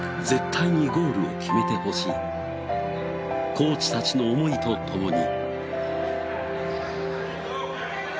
コーチたちの思いと共に。